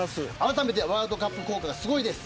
ワールドカップ効果すごいです。